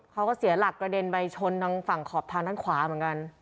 เขาก็เสียหลักกระเด็นไปชนทางฝั่งขอบทางด้านขวาเหมือนกัน